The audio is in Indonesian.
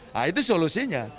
nah itu solusinya